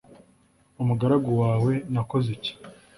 umugaragu wawe, nakoze iki